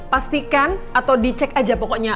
pastikan atau dicek aja pokoknya